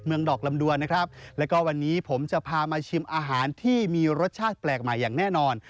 ดอกลำดวนนะครับแล้วก็วันนี้ผมจะพามาชิมอาหารที่มีรสชาติแปลกใหม่อย่างแน่นอน